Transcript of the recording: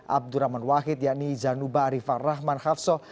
abdurrahman wahid yakni zanuba arifat rahman hafsoh